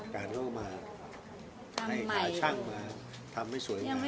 การเข้ามาให้หาช่างมาทำให้สวยงาม